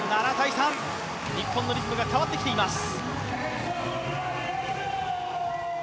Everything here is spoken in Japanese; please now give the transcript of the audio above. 日本のリズムが変わってきています。